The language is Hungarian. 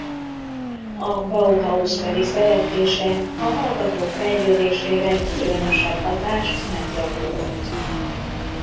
A Bauhaus-beli szereplése a hallgatók fejlődésére különösebb hatást nem gyakorolt.